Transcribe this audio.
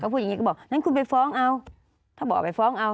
พูดอย่างนี้ก็บอกงั้นคุณไปฟ้องเอาถ้าบอกเอาไปฟ้องเอา